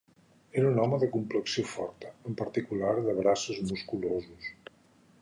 Era un home de complexió forta en particular de braços musculosos.